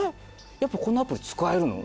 やっぱこのアプリ使えるの？